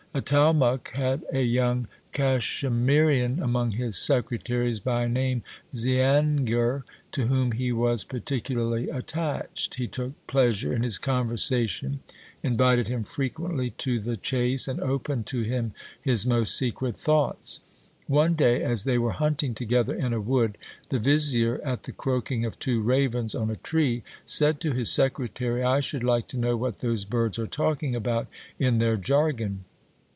Atalmuc had a young Cachemirian among his secretaries, by name Zeangir, to whom he was particu larly attached. He took pleasure in his conversation, invited him frequently to 288 GIL BLAS. to the chase, and opened to him his most secret thoughts. One day as they were hunting together in a wood, the vizier, at the croaking of two ravens on a tree, said to his secretary — I should like to know what those birds are talking about in their jargon.